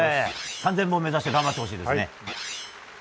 ３０００本目指して頑張ってほしいですね。